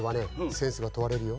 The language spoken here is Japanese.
センスがとわれるよ。